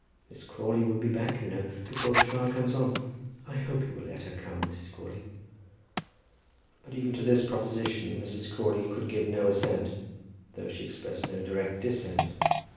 Miss Crawley would be back, you know, before the trial comes on. I hope you will let her come, Mrs. Crawley?" But even to this proposition Mrs. Crawley could give no assent, though she expressed no direct dissent.